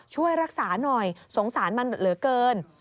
ช่วยรักษาหน่อยสงสารมันเหลือเกิน